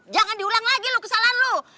jangan diulang lagi lu kesalahan lu